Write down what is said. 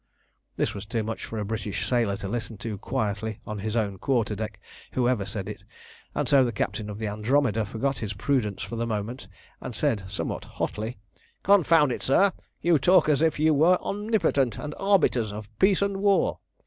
This was too much for a British sailor to listen to quietly on his own quarter deck, whoever said it, and so the captain of the Andromeda forgot his prudence for the moment, and said somewhat hotly "Confound it, sir! you talk as if you were omnipotent and arbiters of peace and war.